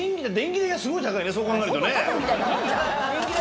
そう考えるとね。